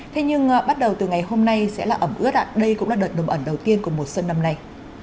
thế nhưng bắt đầu từ ngày hôm nay sẽ là ẩm ướt ạ đây cũng là đợt nồng ẩn đầu tiên của một sân năm này